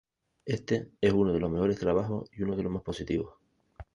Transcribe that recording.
Este es uno de los mejores trabajos y uno de los más positivos.